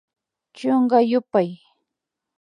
Chunka yupay